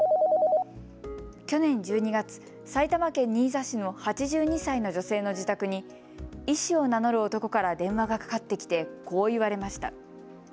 去年１２月、埼玉県新座市の８２歳の女性の自宅に医師を名乗る男から電話がかかってきて、こう言われました。